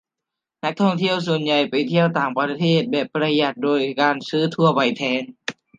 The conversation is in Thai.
นักท่องเที่ยวส่วนใหญ่ไปเที่ยวต่างประเทศแบบประหยัดโดยการซื้อทัวร์ไปแทน